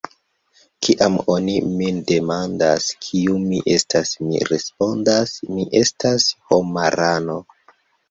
Kiam oni min demandas, kiu mi estas, mi respondas: “Mi estas homarano.”